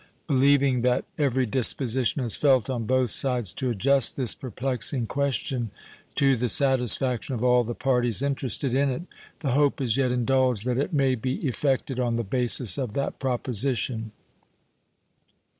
Believing that every disposition is felt on both sides to adjust this perplexing question to the satisfaction of all the parties interested in it, the hope is yet indulged that it may be effected on the basis of that proposition.